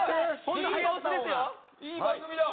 いい番組だ！